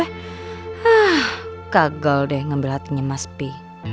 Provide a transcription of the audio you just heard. hah kagal deh ngambil hatinya mas bi